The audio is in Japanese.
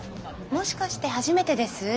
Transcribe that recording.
もしかして初めてです？